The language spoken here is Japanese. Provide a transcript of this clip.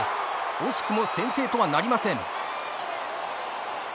惜しくも先制とはなりません。